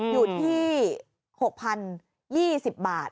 อยู่ที่๖๐๒๐บาท